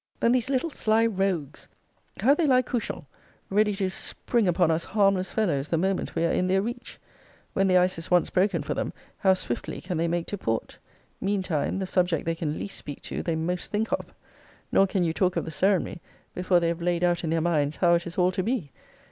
Then these little sly rogues, how they lie couchant, ready to spring upon us harmless fellows the moment we are in their reach! When the ice is once broken for them, how swiftly can they make to port! Mean time, the subject they can least speak to, they most think of. Nor can you talk of the ceremony, before they have laid out in their minds how it is all to be.